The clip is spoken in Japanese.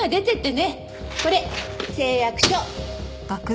これ誓約書。